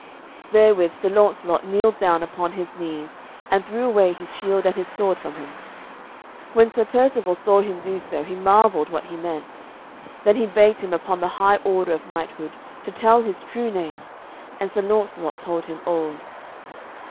Therewithal Sir Launcelot kneeled down upon his knees, and threw away his shield and his sword from him. When Sir Percivale saw him do so, he marvelled what he meant. Then he begged him upon the high order of knighthood to tell his true name, and Sir Launcelot told him all.